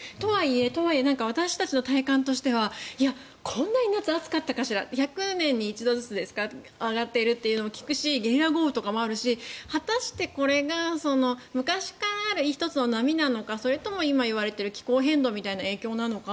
とはいえ、私たちの体感としてはこんなに夏暑かったかしら１００年に１度ずつ上がっているっていう話もあるしゲリラ豪雨とかもあるし果たしてこれが昔からある１つの波なのかそれとも今、言われている気候変動みたいな影響なのか